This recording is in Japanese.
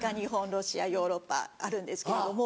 ロシアヨーロッパあるんですけれども。